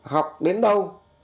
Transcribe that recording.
học đến đâu